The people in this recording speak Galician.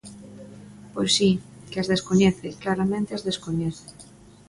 Pois si, que as descoñece, claramente as descoñece.